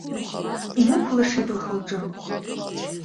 Инықәлашеит лхы-лҿы.